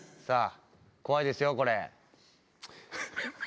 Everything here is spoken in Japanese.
さぁ怖いですよこれ。